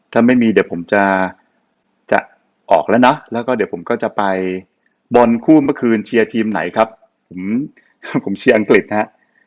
ถ้าไม่มีเดี๋ยวผมจะจะออกแล้วนะแล้วก็เดี๋ยวผมก็จะไปบอลคู่เมื่อคืนเชียร์ทีมไหนครับผมผมเชียร์อังกฤษนะฮะ